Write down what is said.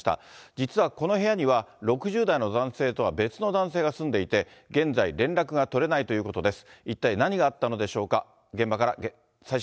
実はこの部屋には、６０代の男性とは別の男性が住んでいて、現在、連絡が取れないとこんにちは。